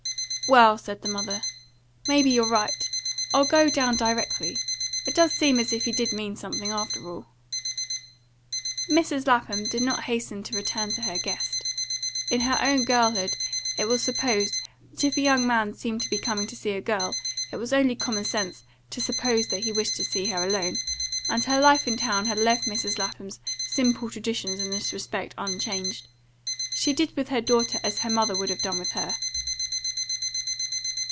"Well," said the mother, "may be you're right. I'll go down directly. It does seem as if he did mean something, after all." Mrs. Lapham did not hasten to return to her guest. In her own girlhood it was supposed that if a young man seemed to be coming to see a girl, it was only common sense to suppose that he wished to see her alone; and her life in town had left Mrs. Lapham's simple traditions in this respect unchanged. She did with her daughter as her mother would have done with her.